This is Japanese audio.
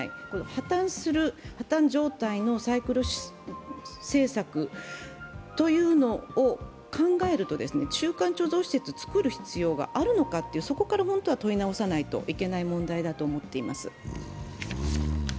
破綻する、破綻状態のサイクル政策というのを考えると、中間貯蔵施設造る必要があるのかという、そこから本当は問い直さないといけない問題だと思っています。